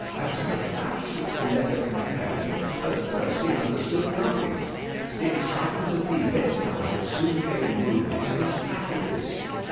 As to the facts which the letter contained, at first he understood nothing. The excitement of the event, however, soon gave movement to his faculties.